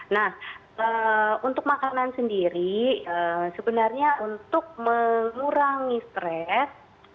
nah untuk makanan sendiri sebenarnya untuk mengurangi stres